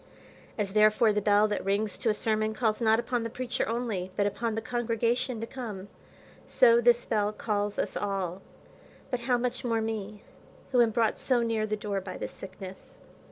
As therefore the bell that rings to a sermon calls not upon the preacher only, but upon the congregation to come, so this bell calls us all; but how much more me, who am brought so near the door by this sickness.